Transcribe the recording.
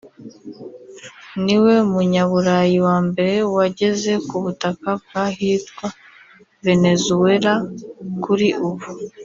niwe munyaburayi wa mbere wageze ku butaka bw’ahitwa Venezuela kuri ubu